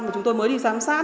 mà chúng tôi mới đi giám sát